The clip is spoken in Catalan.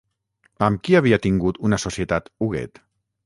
Amb qui havia tingut una societat Huguet?